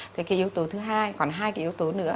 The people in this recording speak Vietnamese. thì cái yếu tố thứ hai còn hai cái yếu tố nữa